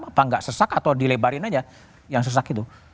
apa nggak sesak atau dilebarin aja yang sesak itu